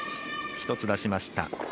１つ、出しました。